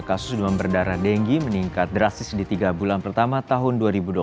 kasus demam berdarah dengi meningkat drastis di tiga bulan pertama tahun dua ribu dua puluh satu